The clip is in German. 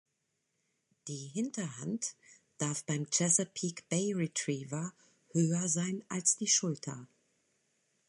Die Hinterhand darf beim Chesapeake Bay Retriever höher sein als die Schulter.